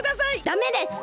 ダメです！